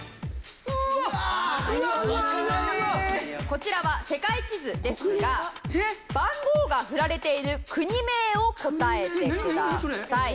こちらは世界地図ですが番号が振られている国名を答えてください。